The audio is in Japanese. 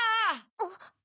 あっ。